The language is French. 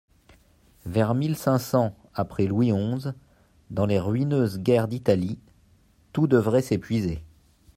Vers mille cinq cents, après Louis onze, dans les ruineuses guerres d'Italie, tout devrait s'épuiser.